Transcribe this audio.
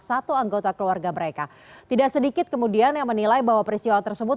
satu anggota keluarga mereka tidak sedikit kemudian yang menilai bahwa peristiwa tersebut